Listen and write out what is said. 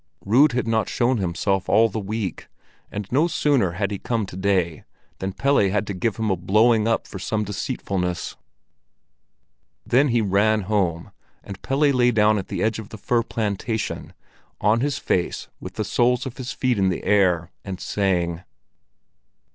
Rud had not shown himself all the week, and no sooner had he come today than Pelle had to give him a blowing up for some deceitfulness. Then he ran home, and Pelle lay down at the edge of the fir plantation, on his face with the soles of his feet in the air, and sang.